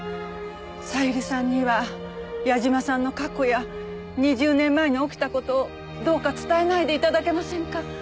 小百合さんには矢嶋さんの過去や２０年前に起きた事をどうか伝えないで頂けませんか？